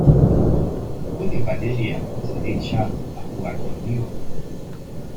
¿ puede Valeria salir ya a jugar conmigo?